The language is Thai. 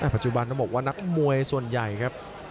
ปัจจุบันต้องบอกว่านักมวยส่วนใหญ่ครับ